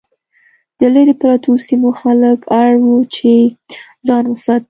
د لرې پرتو سیمو خلک اړ وو چې ځان وساتي.